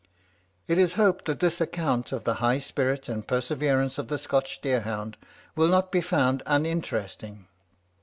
It is hoped that this account of the high spirit and perseverance of the Scotch deer hound will not be found uninteresting.